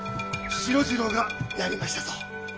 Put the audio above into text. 四郎次郎がやりましたぞ。